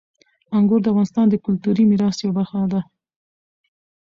انګور د افغانستان د کلتوري میراث یوه برخه ده.